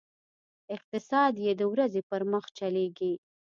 اقتصاد یې د ورځې پر مخ چلېږي.